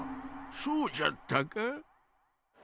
そうじゃったか？